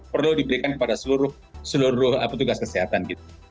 perlu diberikan kepada seluruh petugas kesehatan